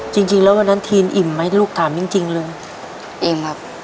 จริงแล้ววันนั้นทีนอิ่มไหมลูกถามจริงเลยอิ่มครับ